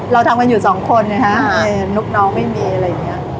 เราทำกันอยู่สองคนนะคะอ่านุ๊กน้องไม่มีอะไรอย่างเงี้ย